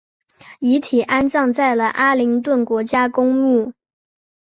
遗体安葬在了阿灵顿国家公墓